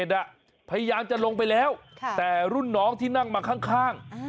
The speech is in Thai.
พยายามจะลงไปแล้วแต่รุ่นน้องที่นั่งมาข้าง